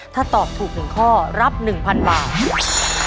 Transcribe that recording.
ถ้าตอบถูกหนึ่งข้อรับหนึ่งพันบาท